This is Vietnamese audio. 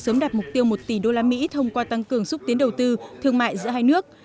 sớm đạt mục tiêu một tỷ usd thông qua tăng cường xúc tiến đầu tư thương mại giữa hai nước